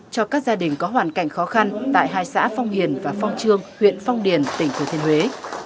cho các gia đình có hoàn cảnh khó khăn tại hai xã phong hiền và phong trương huyện phong điền tỉnh thừa thiên huế